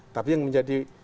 tapi yang menjadi